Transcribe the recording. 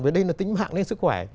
với đây là tính mạng đến sức khỏe